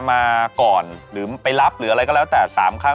มาก่อนหรือไปรับหรืออะไรก็แล้วแต่๓ครั้ง